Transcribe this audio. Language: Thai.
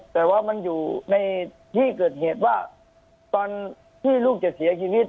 แต่ว่ามันอยู่ในที่เกิดเหตุว่าตอนที่ลูกจะเสียชีวิต